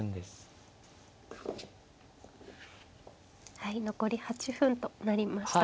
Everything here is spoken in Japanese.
はい残り８分となりました。